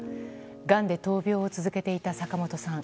がんで闘病を続けていた坂本さん。